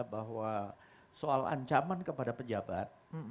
bahwa soal ancaman kepada pejabat